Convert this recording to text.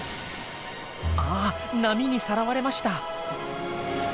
あっ波にさらわれました！